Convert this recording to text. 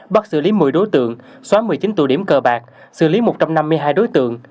bắt xử lý một mươi đối tượng xóa một mươi chín tụ điểm cờ bạc xử lý một trăm năm mươi hai đối tượng